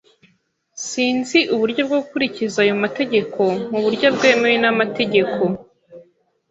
Sinzi uburyo bwo gukurikiza ayo mategeko mu buryo bwemewe n'amategeko.